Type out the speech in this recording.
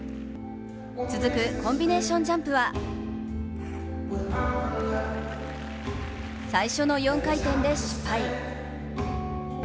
続くコンビネーションジャンプは最初の４回転で失敗。